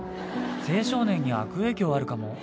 青少年に悪影響あるかも。